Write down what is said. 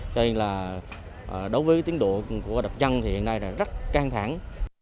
cho nên là đối với tiến độ của đập chân thì hiện nay rất căng thẳng